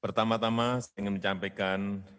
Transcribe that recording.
pertama tama saya ingin mencapaikan